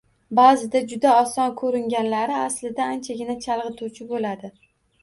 Baʼzida juda oson koʻringanlari aslida anchagina chalgʻituvchi boʻladi